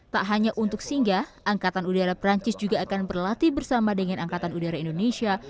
tak hanya untuk singgah angkatan udara perancis juga akan berlatih bersama dengan angkatan udara indonesia